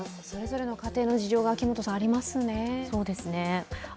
それぞれの家庭の事情がありますね。